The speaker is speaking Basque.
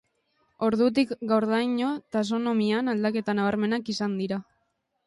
Ordutik gaurdaino taxonomian aldaketa nabarmenak izan dira.